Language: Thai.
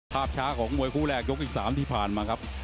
ภาพช้าของวยครูแรกยกอีกสามที่ผ่านมาครับ